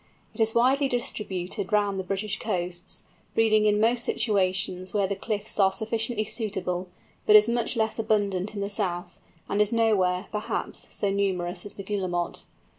It is widely distributed round the British coasts, breeding in most situations where the cliffs are sufficiently suitable, but is much less abundant in the south, and is nowhere, perhaps, so numerous as the Guillemot.